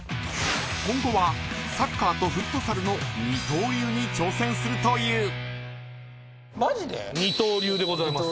今後はサッカーとフットサルの二刀流に挑戦するという。